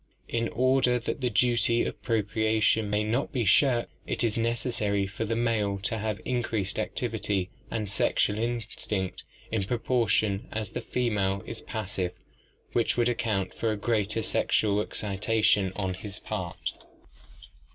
In order that the duty of procreation may not be shirked, it is necessary for the male to have increased activity and sexual instinct in proportion as the female is passive, which would account for the greater sexual excitation on his part.